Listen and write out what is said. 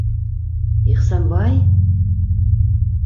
- Ихсанбай!